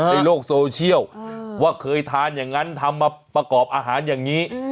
ในโลกโซเชียลว่าเคยทานอย่างนั้นทำมาประกอบอาหารอย่างนี้